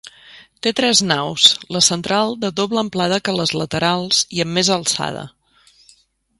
Té tres naus, la central de doble amplada que les laterals i amb més alçada.